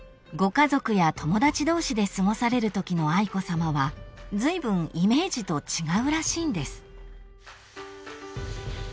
ご家族や友達同士で過ごされるときの愛子さまはずいぶんイメージと違うらしいんです］